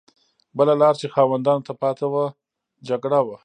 بله لار چې خاوندانو ته پاتې وه جګړه وه.